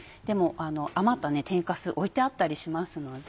余った天かす置いてあったりしますので。